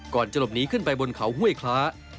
ก่อนจะหลบหนีขึ้นไปบนเขาห้วยคล้า